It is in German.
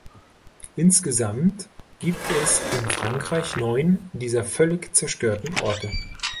Insgesamt gibt es in Frankreich neun dieser völlig zerstörten Orte.